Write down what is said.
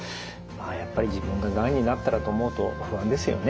やっぱり自分ががんになったらと思うと不安ですよね。